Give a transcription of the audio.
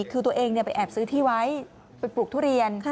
คือตัวเองไปแอบซื้อที่ไว้ไปปลูกทุเรียน